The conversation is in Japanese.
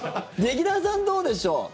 劇団さん、どうでしょう？